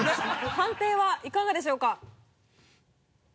判定はいかがでしょうか？